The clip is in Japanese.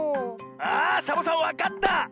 あサボさんわかった！